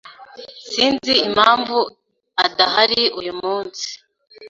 Sinzi impamvu adahari uyu munsi.